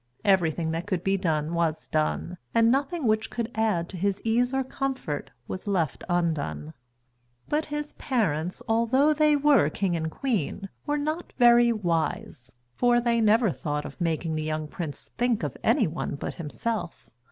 Everything that could be done was done, and nothing which could add to his ease or comfort was left undone. But his parents, although they were king and queen, were not very wise, for they never thought of making the young prince think of anyone but himself.